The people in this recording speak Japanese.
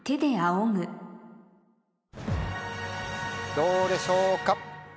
どうでしょうか？